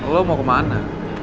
lo mau kemana